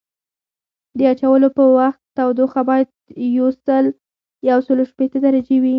د اچولو په وخت تودوخه باید یوسل شپیته درجې وي